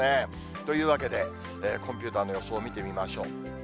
というわけで、コンピューターの予想を見てみましょう。